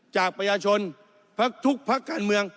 จากประชาชนพักทุกพักการเมือง